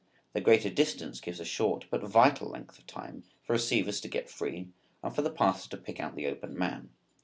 The greater distance gives a short but vital length of time for receivers to get free and for the passer to pick out the open man.